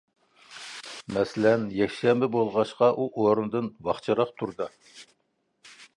مەسىلەن، يەكشەنبە بولغاچقا، ئۇ ئورنىدىن ۋاقچىراق تۇردى.